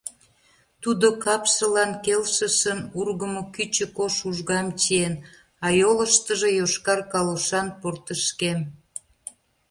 Тудо капшылан келшышын ургымо кӱчык ош ужгам чиен, а йолыштыжо йошкар калошан портышкем